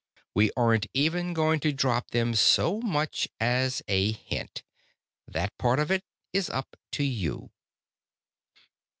We aren't even going to drop them so much as a hint. That part of it is up to you."